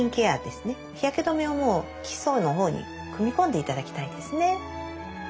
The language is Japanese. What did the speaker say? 日焼け止めをもう基礎の方に組み込んでいただきたいですね。